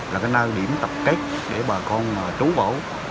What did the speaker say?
là cái nơi điểm tập kết để bà con trú bổ